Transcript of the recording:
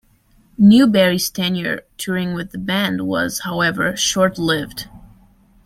Newbury's tenure touring with the band was, however, short-lived.